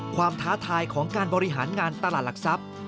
ท้าทายของการบริหารงานตลาดหลักทรัพย์